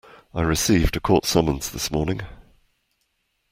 I received a court summons this morning.